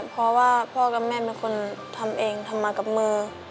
เพราะว่าพ่อกับแม่เป็นคนทำเองทำมากับมือ